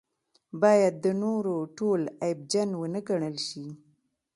باید د نورو ټول عیبجن ونه ګڼل شي.